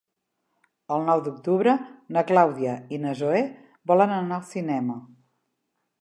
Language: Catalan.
El nou d'octubre na Clàudia i na Zoè volen anar al cinema.